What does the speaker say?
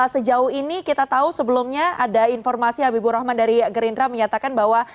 sejauh ini kita tahu sebelumnya ada informasi habibur rahman dari gerindra menyatakan bahwa